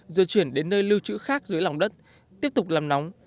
rồi chuyển đến nơi lưu trữ khác dưới lòng đất tiếp tục làm nóng